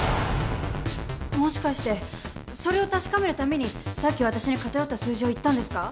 もしかしてそれを確かめるためにさっきわたしに片寄った数字を言ったんですか？